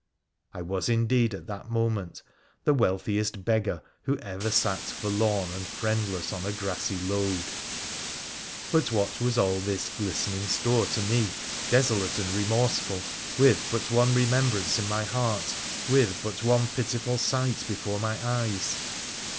I was indeed at that moment the wealthiest beggar who ever sat forlorn and friendless on a grassy lode. But what was all this glistening store to me, desolate and remorse ful, with but one remembrance in my heart, with but one pitiful sight before my eyes?